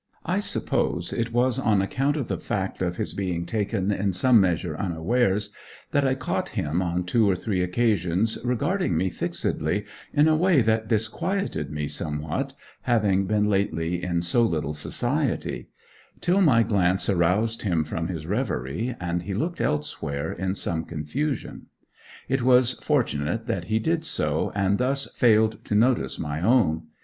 I suppose it was on account of the fact of his being taken in some measure unawares, that I caught him on two or three occasions regarding me fixedly in a way that disquieted me somewhat, having been lately in so little society; till my glance aroused him from his reverie, and he looked elsewhere in some confusion. It was fortunate that he did so, and thus failed to notice my own.